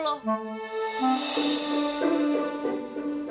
lo tuh emang sengaja ya